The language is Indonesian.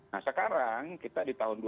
nah sekarang kita di tahun dua ribu dua